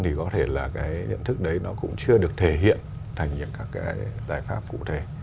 thì có thể là cái nhận thức đấy nó cũng chưa được thể hiện thành những các cái giải pháp cụ thể